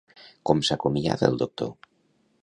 Com s'acomiada el doctor?